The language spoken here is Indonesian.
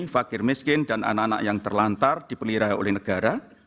fakir miskin dan anak anak yang terlantar dipelihara oleh negara